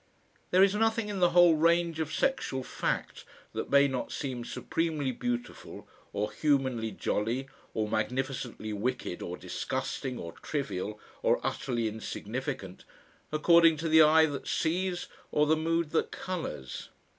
There is nothing in the whole range of sexual fact that may not seem supremely beautiful or humanly jolly or magnificently wicked or disgusting or trivial or utterly insignificant, according to the eye that sees or the mood that colours.